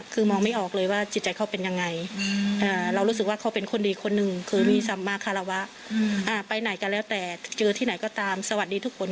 ไปไหนก็แล้วแต่เจอที่ไหนก็ตามสวัสดีทุกคน